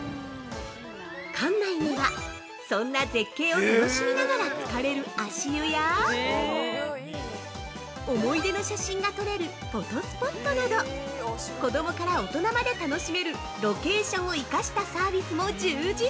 ◆館内には、そんな絶景を楽しみながら浸かれる足湯や思い出の写真が撮れるフォトスポットなど子供から大人まで楽しめるロケーションを生かしたサービスも充実！